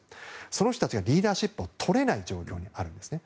その人たちがリーダーシップを取れない状況にあるんですね。